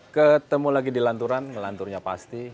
ketemu lagi di lanturan ngelanturnya pasti